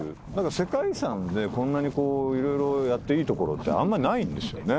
世界遺産でこんなに色々やっていい所ってあんまないんですよね。